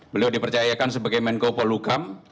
beliau dipercayakan sebagai menko polukam